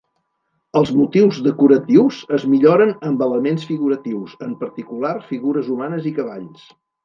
Els motius decoratius es milloren amb elements figuratius, en particular figures humanes i cavalls.